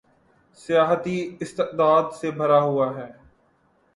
سیاحتی استعداد سے بھرا ہوا ہے